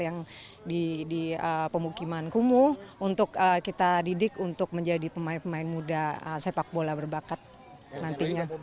yang di pemukiman kumuh untuk kita didik untuk menjadi pemain pemain muda sepak bola berbakat nantinya